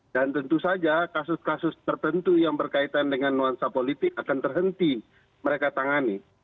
dan tentu saja kasus kasus tertentu yang berkaitan dengan nuansa politik akan terhenti mereka tangani